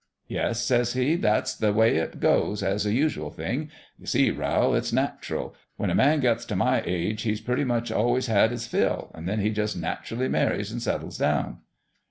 "' Yes,' says he ;' that's the way it goes, as a usual thing. You see, Rowl, it's natural. When a man gets t' my age he's pretty much always had his fill ; an' then he just naturally marries an' settles down.'